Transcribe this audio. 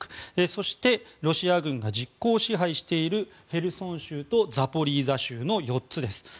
そして、ロシア軍が実効支配しているヘルソン州とザポリージャ州の４つです。